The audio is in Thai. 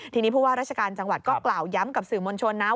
ทีนี้ผู้ว่าราชการจังหวัดก็กล่าวย้ำกับสื่อมวลชนนะ